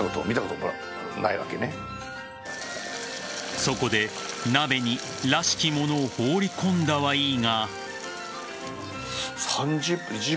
そこで、鍋にらしきものを放り込んだはいいが。